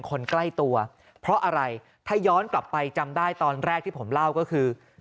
คนใกล้ตัวเพราะอะไรถ้าย้อนกลับไปจำได้ตอนแรกที่ผมเล่าก็คือ